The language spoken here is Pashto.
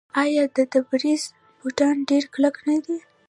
آیا د تبریز بوټان ډیر کلک نه دي؟